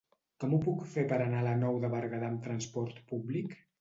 Com ho puc fer per anar a la Nou de Berguedà amb trasport públic?